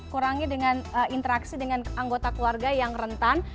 kurangi dengan interaksi dengan anggota keluarga yang rentan